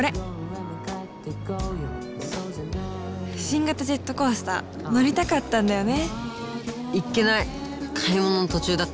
新型ジェットコースター乗りたかったんだよね。